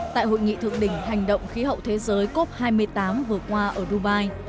tại hội nghị thượng đỉnh hành động khí hậu thế giới cop hai mươi tám vừa qua ở dubai